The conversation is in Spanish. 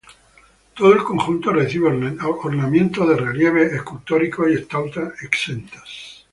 Todo el conjunto recibe ornamentación de relieves escultóricos y estatuas exentas.